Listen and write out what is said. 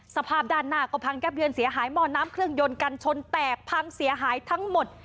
สภาพด้านหน้าก็พังยับเยินเสียหายหม้อน้ำเครื่องยนต์กันชนแตกพังเสียหายทั้งหมด